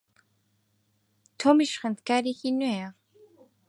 تۆمیش خوێندکارێکی نوێیە.